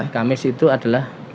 kamis itu adalah